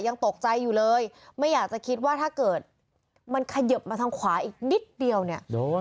ยังตกใจอยู่เลยไม่อยากจะคิดว่าถ้าเกิดมันเขยิบมาทางขวาอีกนิดเดียวเนี่ย